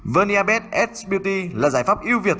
verniabet s beauty là giải pháp yêu việt